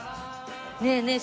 ねえねえ